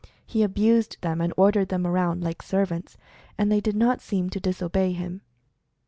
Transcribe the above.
He abused them and ordered them around like servants, and they did not seem able to disobey him.